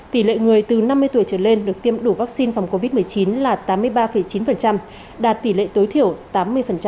tỷ lệ người từ năm mươi tuổi trở lên được tiêm đủ vaccine phòng covid một mươi chín là tám mươi ba chín đạt tỷ lệ tối thiểu tám mươi